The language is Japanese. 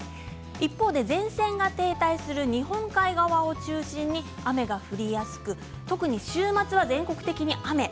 一方で前線が停滞する日本海側を中心に雨が降りやすく特に週末は全国的に雨。